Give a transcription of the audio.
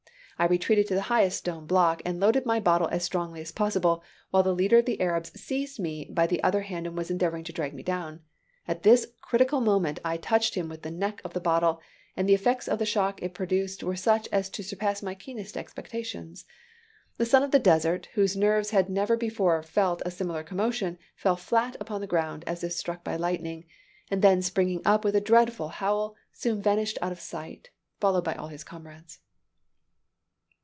I retreated to the highest stone block and loaded my bottle as strongly as possible, while the leader of the Arabs seized me by the other hand and was endeavoring to drag me down. At this critical moment, I touched him with the neck of the bottle, and the effects of the shock it produced were such as to surpass my keenest expectations. The son of the desert, whose nerves had never before felt a similar commotion, fell flat down upon the ground, as if struck by lightning; and then springing up with a dreadful howl, soon vanished out of sight, followed by all his comrades."